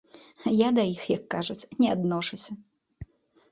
Я да іх, як кажуць, не адношуся.